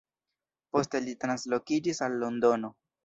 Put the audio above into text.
Poste li translokiĝis al Londono.